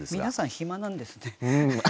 皆さん暇なんですね。